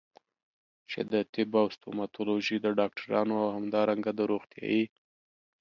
چې د طب او ستوماتولوژي د ډاکټرانو او همدارنګه د روغتيايي